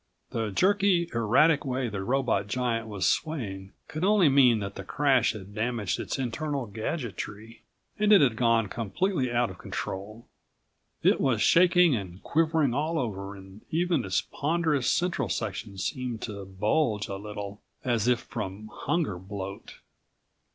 The jerky, erratic way the robot giant was swaying could only mean that the crash had damaged its internal gadgetry, and it had gone completely out of control. It was shaking and quivering all over and even its ponderous central section seemed to bulge a little, as if from hunger bloat.